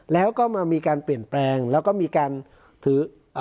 แล้วก็มามีการเปลี่ยนแปลงแล้วก็มีการถือเอ่อ